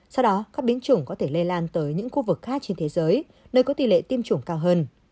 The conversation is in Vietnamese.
sau đó các biến chủng có thể lây lan tới những khu vực khác trên thế giới nơi có tỷ lệ tiêm chủng cao hơn